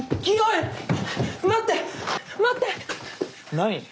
何？